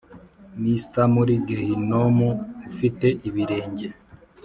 Mr muri gehinomu ufite ibirenge